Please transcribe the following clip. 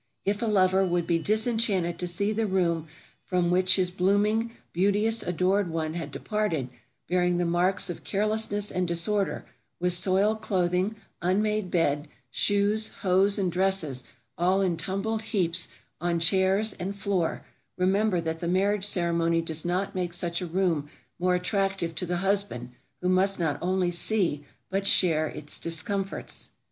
If a lover would be disenchanted to see the room from which his blooming, beauteous adored one had departed, bearing the marks of carelessness and disorder, with soiled clothing, unmade bed, shoes, hose and dresses all in tumbled heaps on chairs and floor, remember that the marriage ceremony does not make such a room more attractive to the husband, who must not only see but share its discomforts.